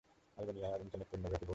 আলবেনিয়ায় internet pornography বৈধ।